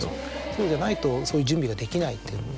そうじゃないとそういう準備ができないっていう。